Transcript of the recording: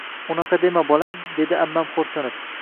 Unaqa dema, bolam,- dedi ammam xo’rsinib.